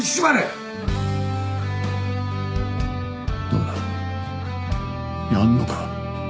どうだ？やんのか？